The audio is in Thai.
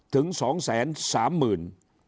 ถึง๒๓๐๐๐บาท